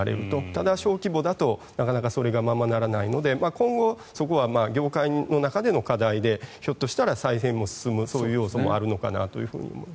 ただ、小規模だとなかなかそれがままならないので今後それは業界の中での課題でひょっとしたら再編も進むこともあるのかなと思います。